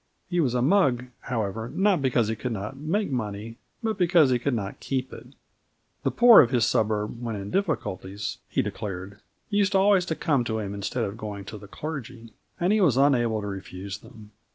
He was a mug, however, not because he could not make money, but because he could not keep it. The poor of his suburb, when in difficulties, he declared, used always to come to him instead of going to the clergy, and he was unable to refuse them.